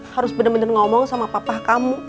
harus bener bener ngomong sama papa kamu